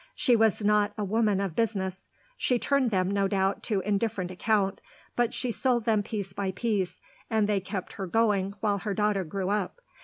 She was not a woman of business; she turned them, no doubt, to indifferent account; but she sold them piece by piece, and they kept her going while her daughter grew up.